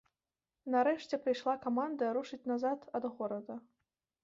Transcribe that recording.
Нарэшце прыйшла каманда рушыць назад ад горада.